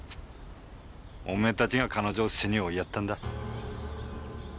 おめえたちが彼女を死に追いやったんだ。